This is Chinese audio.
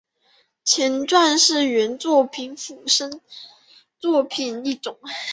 前传是原作品衍生作品的一种。